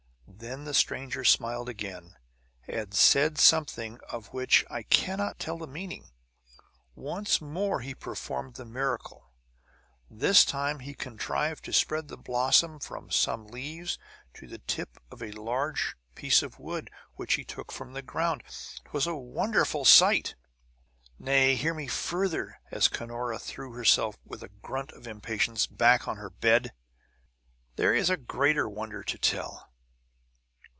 "Then the stranger smiled again, and said something of which I cannot tell the meaning. Once more he performed the miracle, and this time he contrived to spread the blossom from some leaves to the tip of a large piece of wood which he took from the ground. 'Twas a wonderful sight! "Nay, hear me further," as Cunora threw herself, with a grunt of impatience, back on her bed; "there is a greater wonder to tell.